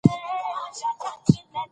سیاسي مشارکت د ټولنې غږ لوړوي